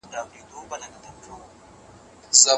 ما په ماشومتوب کې تل له خپل پلار څخه کباب غوښت.